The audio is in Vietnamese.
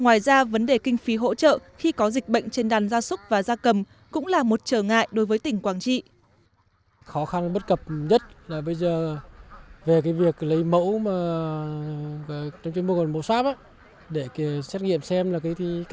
ngoài ra vấn đề kinh phí hỗ trợ khi có dịch bệnh trên đàn gia súc và da cầm cũng là một trở ngại đối với tỉnh quảng trị